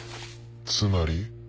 つまり？